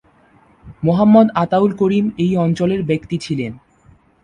মোহাম্মদ আতাউল করিম এই অঞ্চলের ব্যক্তি ছিলেন।